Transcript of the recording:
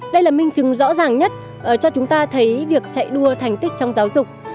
đây là minh chứng rõ ràng nhất cho chúng ta thấy việc chạy đua thành tích trong giáo dục